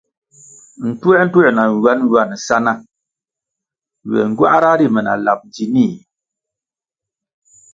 Ntuer-ntuer na nwan-nwan sa ná ywe ngywáhra ri me na lap ndzinih.